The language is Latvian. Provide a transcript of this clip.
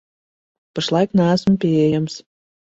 Pašlaik neesmu pieejams.